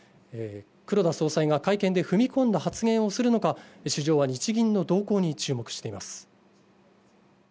黒田総裁が会見で踏み込んだ発言をするのか、市場は日銀の動向に注目しています。